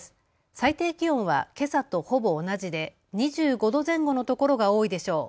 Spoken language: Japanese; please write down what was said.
最低気温はけさとほぼ同じで２５度前後の所が多いでしょう。